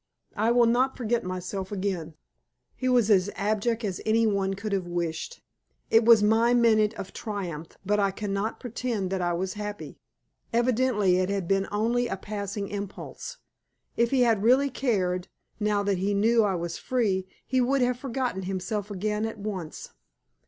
I will not forget myself again." He was as abject as any one could have wished. It was my minute of triumph, but I can not pretend that I was happy. Evidently it had been only a passing impulse. If he had really cared, now that he knew I was free, he would have forgotten himself again at once.